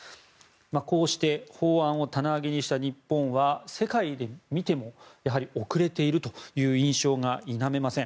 こうして法案を棚上げにした日本は世界で見ても、遅れているという印象が否めません。